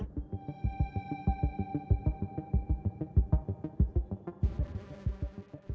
pengambilan timnas israel